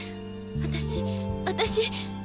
私私。